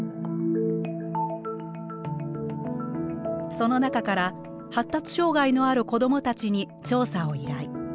その中から発達障害のある子どもたちに調査を依頼。